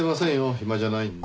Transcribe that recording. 暇じゃないんで。